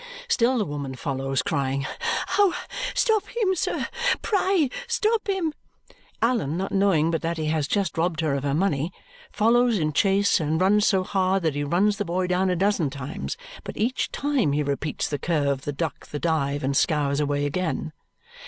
Still the woman follows, crying, "Stop him, sir, pray stop him!" Allan, not knowing but that he has just robbed her of her money, follows in chase and runs so hard that he runs the boy down a dozen times, but each time he repeats the curve, the duck, the dive, and scours away again.